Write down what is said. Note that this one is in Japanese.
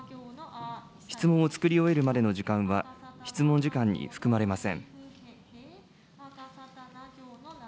質問を作り終えるまでの時間は、質問時間に含まれません。